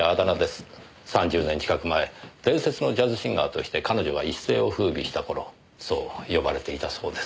３０年近く前伝説のジャズシンガーとして彼女が一世を風靡した頃そう呼ばれていたそうです。